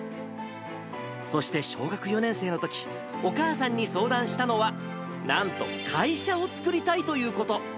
そして小学４年生のとき、お母さんに相談したのは、なんと会社を作りたいということ。